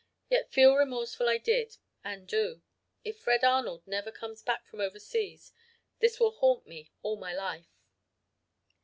Yet feel remorseful I did and do. If Fred Arnold never comes back from overseas, this will haunt me all my life.